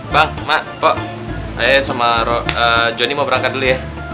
bang mak pok ayo sama joni mau berangkat dulu ya